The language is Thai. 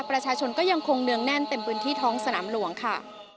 ประชาชนก็ยังคงเนืองแน่นเต็มพื้นที่ท้องสนามหลวงค่ะ